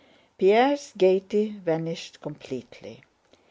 Pierre's gaiety vanished completely.